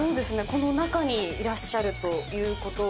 この中にいらっしゃるということです。